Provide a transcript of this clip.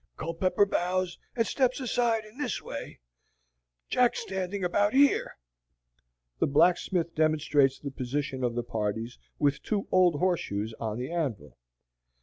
Culpepper bows and steps aside in this way, Jack standing about HERE." (The blacksmith demonstrates the position of the parties with two old horseshoes on the anvil.)